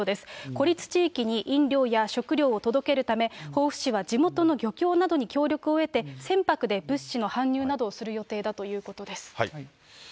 孤立地域に飲料や食料を届けるため、防府市は地元の漁協などに協力を得て、船舶で物資の搬入などをする予定だということです。